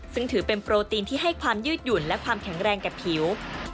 ซึ่งถือเป็นโปรตีนที่ให้ความยืดหยุ่นและความแข็งแรงกับผิว